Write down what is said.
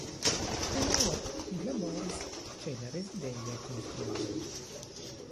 Unue li laboris ĉe la rezideja konstruado.